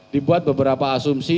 dibuat beberapa asumsi